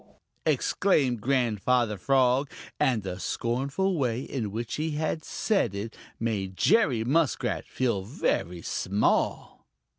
"Chugarum!" exclaimed Grandfather Frog, and the scornful way in which he said it made Jerry Muskrat feel very small.